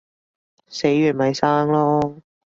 死完咪生囉